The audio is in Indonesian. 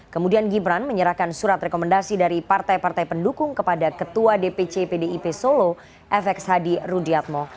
kemudian gibran menyerahkan surat rekomendasi dari partai partai pendukung kepada ketua dpc pdip solo fx hadi rudiatmo